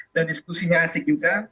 dan diskusinya asik juga